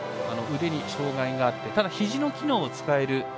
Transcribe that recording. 腕に障がいがあってただ、ひじの機能を使える。